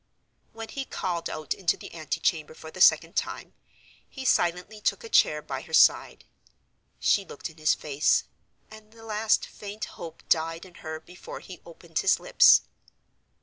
When he called out into the antechamber for the second time, he silently took a chair by her side. She looked in his face; and the last faint hope died in her before he opened his lips.